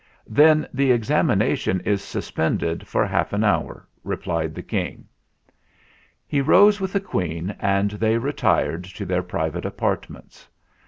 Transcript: "Then the examination is suspended for half an hour," replied the King. He rose with the Queen, and they retired to their private apartments.